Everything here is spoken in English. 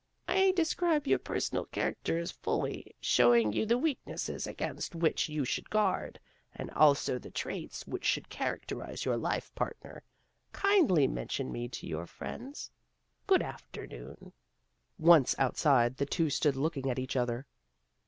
I describe your personal charac ters fully, showing you the weaknesses against which you should guard, and also the traits which should characterize your life partner. Kindly mention me to your friends. Good afternoon." Once outside, the two stood looking at each other.